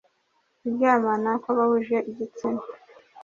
kuryamana kw abahuje igitsina